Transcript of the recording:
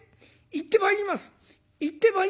「行ってまいります」。